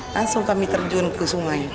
langsung kami terjun ke sungai